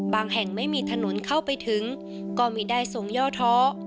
แห่งไม่มีถนนเข้าไปถึงก็มีได้ทรงย่อท้อ